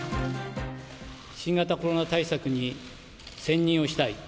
新型コロナ対策に専任をしたい。